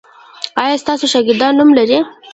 ایا ستاسو شاګردان نوم لری؟